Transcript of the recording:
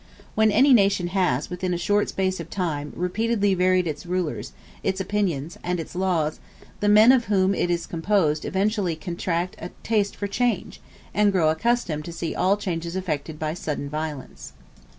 When any nation has, within a short space of time, repeatedly varied its rulers, its opinions, and its laws, the men of whom it is composed eventually contract a taste for change, and grow accustomed to see all changes effected by sudden violence.